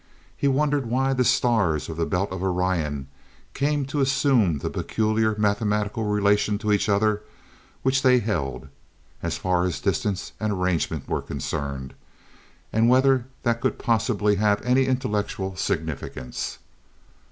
He wondered why the stars of the belt of Orion came to assume the peculiar mathematical relation to each other which they held, as far as distance and arrangement were concerned, and whether that could possibly have any intellectual significance.